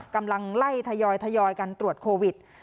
กำลังไล่ทยอยกันตรวจโควิด